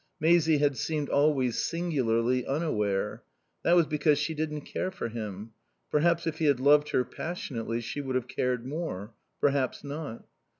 Maisie had seemed always singularly unaware. That was because she didn't care for him. Perhaps, if he had loved her passionately she would have cared more. Perhaps not.